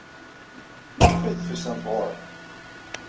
Maɣef ay d-tusamt ɣer-i?